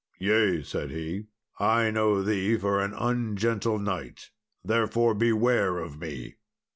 "Yea," said he, "I know thee for an ungentle knight, therefore beware of me."